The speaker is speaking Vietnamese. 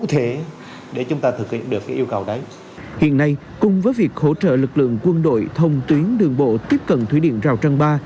hiện nay cùng với việc hỗ trợ lực lượng quân đội thông tuyến đường bộ tiếp cận thủy điện rào trăng ba